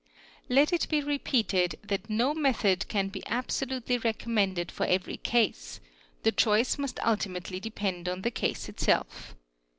|=. it be repeated that no method can be absolutely recommended every case, the choice must ultimately depend on the case itself.